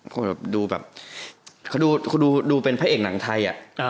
เขาดูเป็นพระเอกหนังไทยอะ